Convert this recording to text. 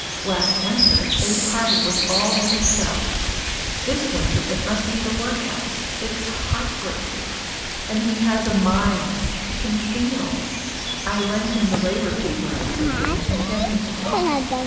Last winter they parted with all they could sell. This winter it must be the workhouse! It's heart breaking. And he has a mind; he can feel! I lend him the Labour paper I take in, and get him to talk.